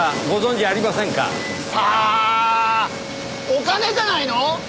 お金じゃないの？